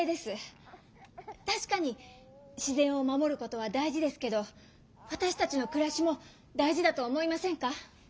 確かに自然を守ることは大事ですけどわたしたちのくらしも大事だと思いませんか？